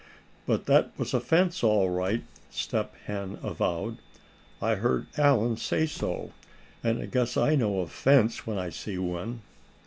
"But that was a fence, all right," Step Hen avowed. "I heard Allan say so; and I guess I know a fence when I see one."